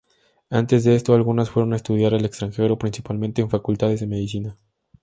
Antes de esto, algunas fueron a estudiar al extranjero, principalmente en facultades de Medicina.